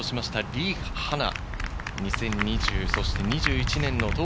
リ・ハナ。